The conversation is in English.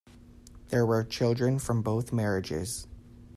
There were children from both marriages.